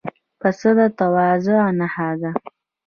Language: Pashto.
پسه د تواضع نښه ده.